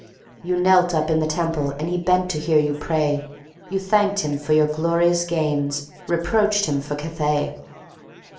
"You knelt up in the temple and he bent to hear you pray, You thanked him for your 'glorious gains'—reproached him for 'Cathay.